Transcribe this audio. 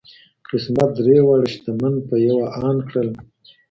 قسمت درې واړه شته من په یوه آن کړل